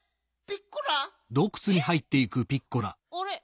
あれ？